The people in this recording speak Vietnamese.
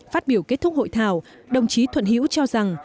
phát biểu kết thúc hội thảo đồng chí thuận hữu cho rằng